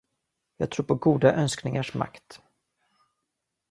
Jag tror på goda önskningars makt.